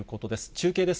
中継です。